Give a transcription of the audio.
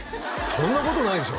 そんなことないでしょ